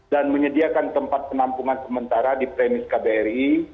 dan menyediakan tempat penampungan sementara di premis kbri